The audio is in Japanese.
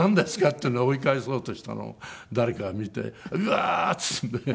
って追い返そうとしたのを誰かが見て「うわー！」っつってね。